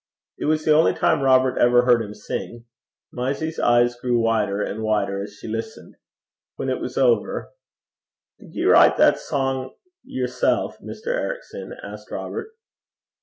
It was the only time Robert ever heard him sing. Mysie's eyes grew wider and wider as she listened. When it was over, 'Did ye write that sang yersel', Mr. Ericson?' asked Robert.